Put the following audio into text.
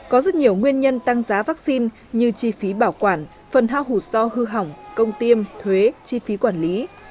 có rất nhiều nguyên nhân tăng giá vaccine như chi phí bảo quản phần hao hủ do hư hỏng công tiêm thuế chi phí quản lý